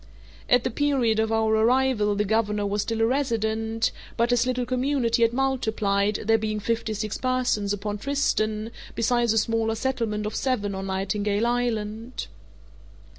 At the period of our arrival the governor was still a resident, but his little community had multiplied, there being fifty six persons upon Tristan, besides a smaller settlement of seven on Nightingale Island.